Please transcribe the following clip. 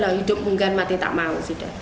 hidup munggan mati tidak mau